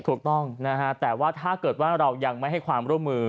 ถูกต้องนะฮะแต่ว่าถ้าเกิดว่าเรายังไม่ให้ความร่วมมือ